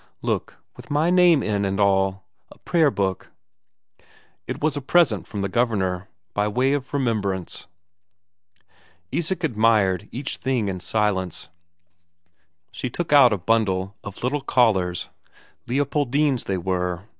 "Look, with my name in and all. A prayer book." It was a present from the Governor, by way of remembrance. Isak admired each thing in silence. She took out a bundle of little collars Leopoldine's, they were.